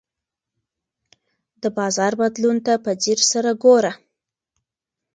د بازار بدلون ته په ځیر سره ګوره.